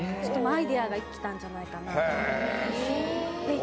アイデアが生きたんじゃないかなと。